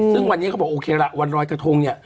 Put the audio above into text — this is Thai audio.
ซึ่งวันนี้เขาบอกโอเคละวันรอยกระทงเนี่ย